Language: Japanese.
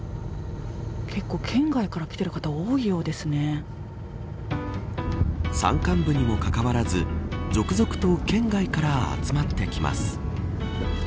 結構、県外から来ている方山間部にもかかわらず続々と県外から集まってきます。